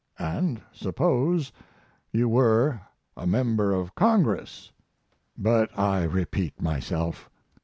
And suppose you were a member of Congress. But I repeat myself."